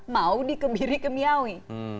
mau dikebiri kemiawi